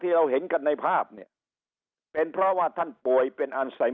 เราเห็นกันในภาพเนี่ยเป็นเพราะว่าท่านป่วยเป็นอันไซเม